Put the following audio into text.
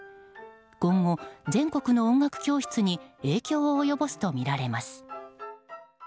今後、全国の音楽教室に影響を及ぼすとみられます。